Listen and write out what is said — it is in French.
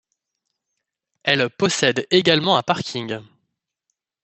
Elle possède également un parking.